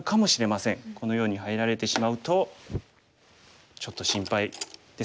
このように入られてしまうとちょっと心配ですかね。